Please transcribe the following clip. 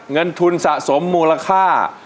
เงินทุนสะสมมูลค่า